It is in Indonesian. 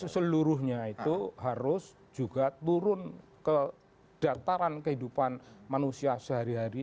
seluruhnya itu harus juga turun ke dataran kehidupan manusia sehari hari